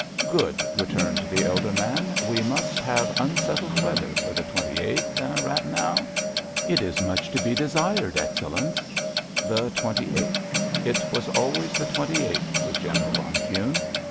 "Good," returned the elder man. "We must have unsettled weather for the twenty eighth—eh, Rathenau?" "It is much to be desired, Excellenz." The twenty eighth—it was always the twenty eighth with General von Kuhne.